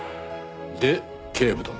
で警部殿。